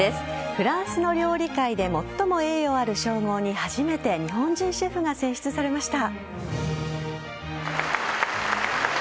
フランスの料理界で最も栄誉ある称号に初めて日本人シェフが選出されました。